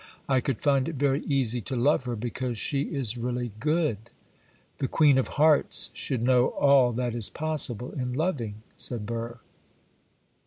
I could find it very easy to love her, because she is really good.' 'The Queen of Hearts should know all that is possible in loving,' said Burr.